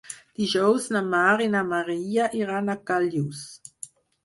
Dijous na Mar i na Maria iran a Callús.